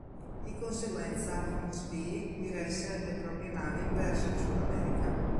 Di conseguenza von Spee diresse le proprie navi verso il Sudamerica.